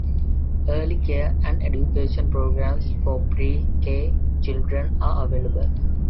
Early care and education programs for pre-k children are available.